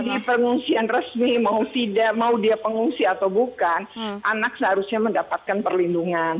mau di pengungsian resmi mau dia pengungsi atau bukan anak seharusnya mendapatkan perlindungan